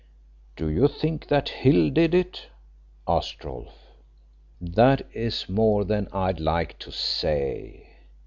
"Do you think that Hill did it?" asked Rolfe. "That is more than I'd like to say.